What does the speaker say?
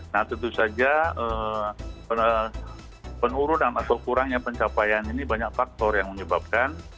nah tentu saja penurunan atau kurangnya pencapaian ini banyak faktor yang menyebabkan